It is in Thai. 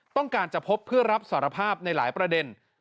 ต้องการจะพบเพื่อรับสารภาพในหลายประเด็น